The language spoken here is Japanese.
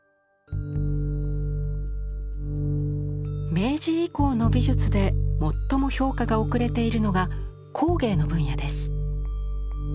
明治以降の美術で最も評価が遅れているのが工芸の分野です。